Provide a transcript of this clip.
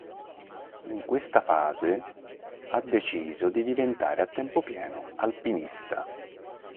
In questa fase, ha deciso di diventare a tempo pieno alpinista.